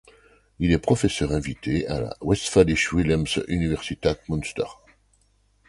Il est professeur invité à la Westfälische Wilhelms-Universität Münster.